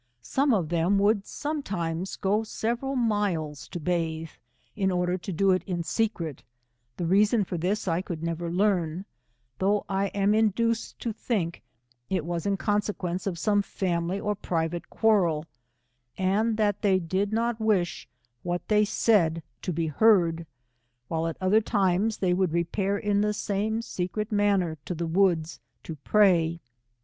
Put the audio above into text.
Some of them would sometimes go geveral milfls 172 to bathe, in order to do it in secret; tlie reason for this I could never learn, though I am induced to think it was in consequence of some family or pri vate quarrel, and that they did not wish what they said to be heard; while at other times, they would repair in the same secret manner, to the woods, to pray.